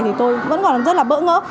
thì tôi vẫn còn rất là bỡ ngỡ